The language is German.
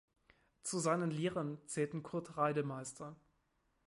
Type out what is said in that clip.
Zu seinen Lehrern zählten Kurt Reidemeister.